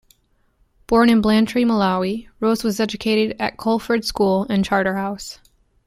Born in Blantyre, Malawi, Rose was educated at Culford School and Charterhouse.